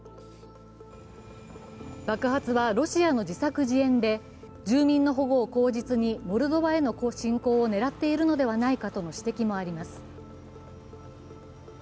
爆発はロシアの自作自演で住民の保護を口実にモルドバへの侵攻を狙っているのではないかとの指摘もあります。